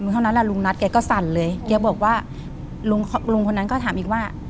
เท่านั้นแหละลุงนัทแกก็สั่นเลยแกบอกว่าลุงคนนั้นก็ถามอีกว่า